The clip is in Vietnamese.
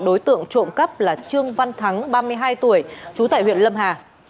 đối tượng trộm cắp là trương văn thắng ba mươi hai tuổi trú tại huyện lâm hà